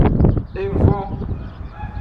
Evon.